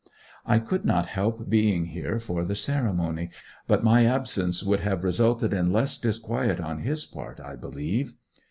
I could not help being here for the ceremony; but my absence would have resulted in less disquiet on his part, I believe.